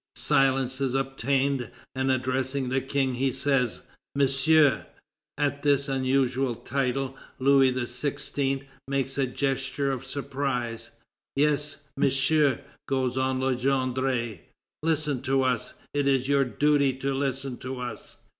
Silence is obtained, and, addressing the King, he says: "Monsieur." At this unusual title, Louis XVI. make a gesture of surprise. "Yes, Monsieur," goes on Legendre, "listen to us; it is your duty to listen to us....